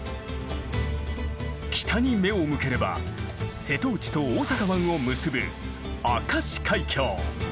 北に目を向ければ瀬戸内と大阪湾を結ぶ明石海峡。